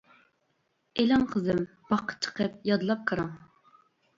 - ئېلىڭ، قىزىم، باغقا چىقىپ يادلاپ كىرىڭ.